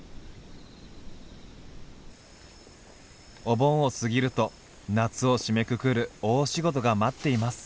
お盆を過ぎると夏を締めくくる大仕事が待っています。